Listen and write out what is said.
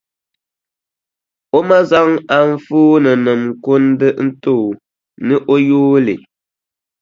O ma zaŋ anfooninima kundi n-ti o, ni o yooi li.